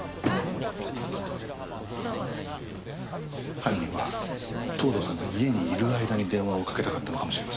犯人は藤堂さんが家にいる間に電話をかけたかったのかもしれません。